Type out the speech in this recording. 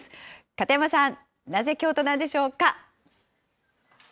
片山さん、なぜ京都なんでしょうか。